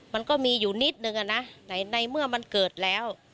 มันก็มีอยู่นิดนึงอะนะในเมื่อมันเกิดแล้ว